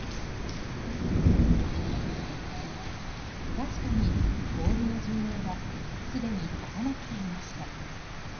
確かに氷の需要はすでに高まっていました。